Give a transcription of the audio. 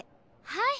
はい。